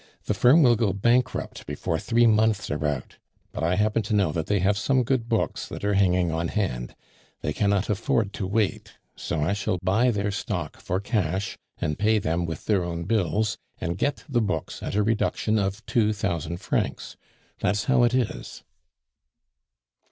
"The firm will go bankrupt before three months are out; but I happen to know that they have some good books that are hanging on hand; they cannot afford to wait, so I shall buy their stock for cash and pay them with their own bills, and get the books at a reduction of two thousand francs. That's how it is."